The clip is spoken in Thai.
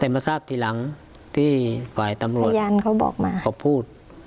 แต่มาทราบทีหลังที่ฝ่ายตำรวจพยานเขาบอกมาเขาพูด